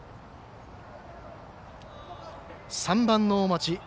３番の大町。